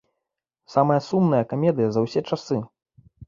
Самая сумнае камедыя за ўсе часы!